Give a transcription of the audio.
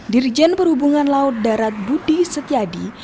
dirjen perhubungan laut darat budi setiadi